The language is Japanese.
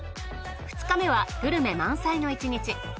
２日目はグルメ満載の１日。